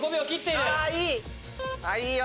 いいよ！